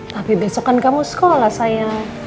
tapi besokan kamu sekolah saya